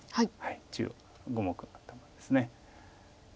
中央５目の頭です。